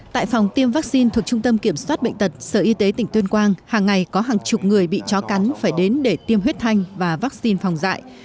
tại phòng tiêm vaccine thuộc trung tâm kiểm soát bệnh tật sở y tế tỉnh tuyên quang hàng ngày có hàng chục người bị chó cắn phải đến để tiêm huyết thanh và vaccine phòng dạy